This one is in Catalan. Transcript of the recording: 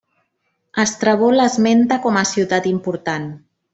Estrabó l'esmenta com a ciutat important.